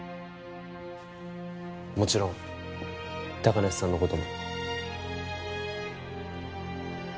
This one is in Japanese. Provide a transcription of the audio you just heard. もちろん高梨さんの事も。